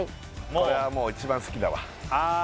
これはもう一番好きだわあ